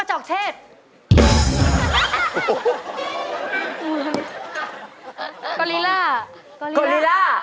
ใช่มั้ย